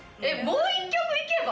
もう１曲。